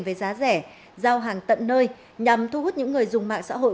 với giá rẻ giao hàng tận nơi nhằm thu hút những người dùng mạng xã hội